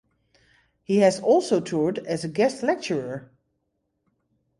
He has also toured as a guest lecturer.